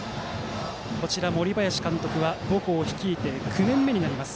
森林監督は母校を率いて９年目になります。